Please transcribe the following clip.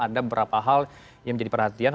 ada beberapa hal yang menjadi perhatian